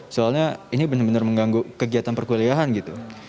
soalnya ini benar benar mengganggu kegiatan perkuliahan gitu